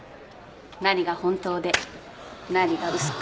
何が本当で何が嘘か。